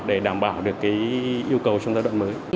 để đảm bảo được yêu cầu trong giai đoạn mới